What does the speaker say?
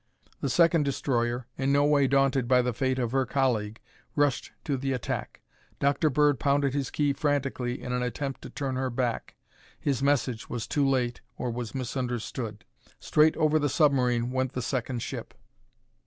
The second destroyer, in no way daunted by the fate of her colleague, rushed to the attack. Dr. Bird pounded his key frantically in an attempt to turn her back. His message was too late or was misunderstood. Straight over the submarine went the second ship.